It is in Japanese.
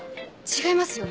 違いますよ？